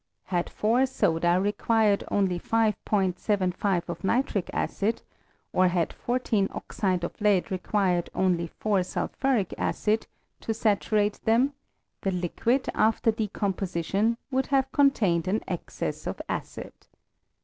Had 4 Boda reriuired only 5'75 of nitric acid, or had 14 oxide of lead required only 4 Bulphuric acid, to saturate them, the liquid, after decomposition, would have contained an excess of acid.